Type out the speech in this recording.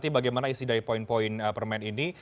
bagaimana isi dari poin poin permen ini